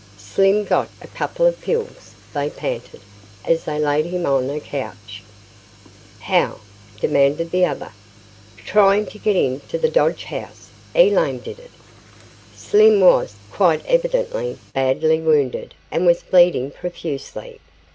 "Slim got a couple of pills," they panted, as they laid him on a couch. "How?" demanded the other. "Trying to get into the Dodge house. Elaine did it." Slim was, quite evidently, badly wounded and was bleeding profusely.